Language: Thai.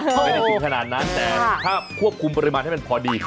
ไม่ได้ถึงขนาดนั้นแต่ถ้าควบคุมปริมาณให้มันพอดี